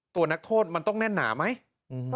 ตัวนักโทษมันต้องแน่นหนาไหม